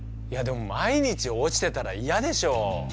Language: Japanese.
いやでも毎日落ちてたら嫌でしょう。